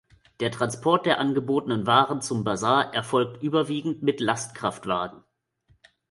Der Transport der angebotenen Waren zum Basar erfolgt überwiegend mit Lastkraftwagen.